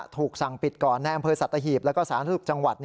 ถูกสั่งปิดก่อนแอมเภอสัตหีบแล้วก็สหรัฐธุรกิจังหวัด